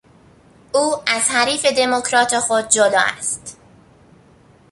او از حریف دموکرات خود جلو است.